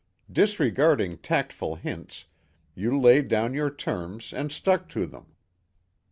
"Disregarding tactful hints, you laid down your terms and stuck to them.